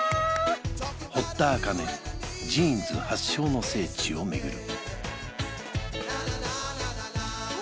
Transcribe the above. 堀田茜ジーンズ発祥の聖地を巡る